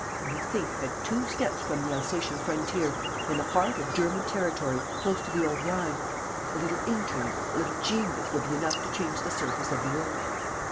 ... Only think, at two steps from the Alsatian frontier! In the heart of German territory! Close to the old Rhine! ... A little intrigue, a little genius will be enough to change the surface of the earth.